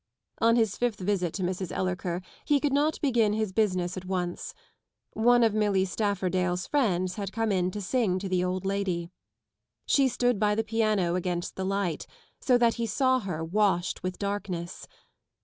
On his fifth visit to Mrs. Ellerker he could not begin his business at once. One of Milly Stafordale's friends had come m to sing to the old lady. She stood by the piano against the light, so that he saw her washed with darkness.